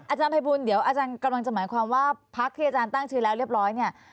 อาจารย์ภัยบูลเดี๋ยวอาจารย์กำลังจะหมายความว่าพักที่อาจารย์ตั้งชื่อแล้วเรียบร้อยเนี่ย